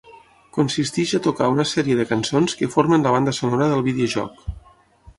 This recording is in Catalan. Consisteix a tocar una sèrie de cançons que formen la banda sonora del videojoc.